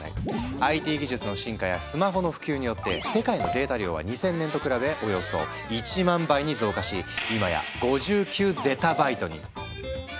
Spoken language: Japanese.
ＩＴ技術の進化やスマホの普及によって世界のデータ量は２０００年と比べおよそ１万倍に増加し今や５９ゼタバイトに！って